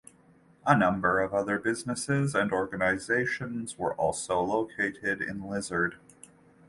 A number of other businesses and organizations were also located in Lizard.